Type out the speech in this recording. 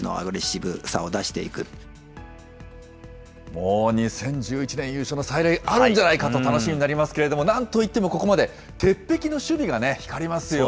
もう２０１１年優勝の再来、あるんじゃないかと楽しみになりますけれども、なんといっても、ここまで鉄壁の守備がね、光りますよね。